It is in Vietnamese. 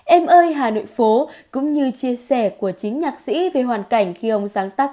em ơi hà nội phố cũng như chia sẻ của chính nhạc sĩ về hoàn cảnh khi ông sáng tác